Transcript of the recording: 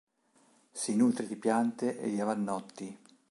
Si nutre di piante e di avannotti.